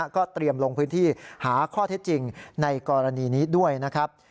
ก็เตรียมลงพื้นที่หาข้อเท็จจริงในกรณีนี้ด้วยนะครับ